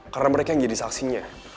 karena mereka yang jadi saksinya